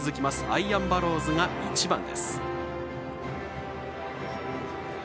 アイアンバローズが１番です。